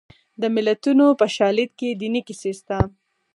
د متلونو په شالید کې دیني کیسې شته